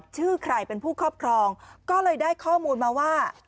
ชื่อใครเป็นผู้ครอบครองก็เลยได้ข้อมูลมาว่า